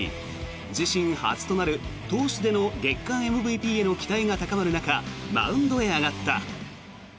自身初となる投手での月間ＭＶＰへの期待が高まる中マウンドへ上がった。